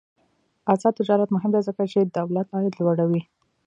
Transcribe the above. آزاد تجارت مهم دی ځکه چې دولت عاید لوړوي.